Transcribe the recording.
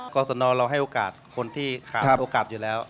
สนเราให้โอกาสคนที่ขาดโอกาสอยู่แล้ว